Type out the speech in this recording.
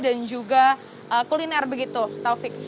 dan juga kuliner begitu taufik